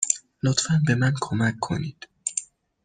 لطفا به من کمک کنید.